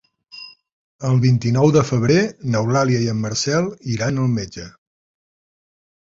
El vint-i-nou de febrer n'Eulàlia i en Marcel iran al metge.